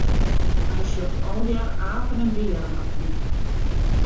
Hy sjocht allegear apen en bearen op 'e dyk.